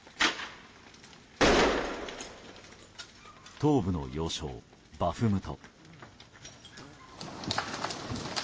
東部の要衝バフムト。